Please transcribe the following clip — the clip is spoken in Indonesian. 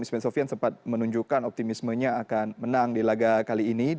isman sofian sempat menunjukkan optimismenya akan menang di laga kali ini